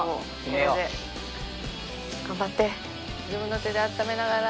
自分の手であっためながら。